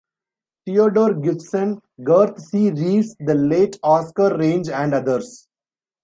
Theodore Gibson, Garth C. Reeves, the late Oscar Range and others.